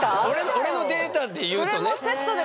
俺のデータでいうとね。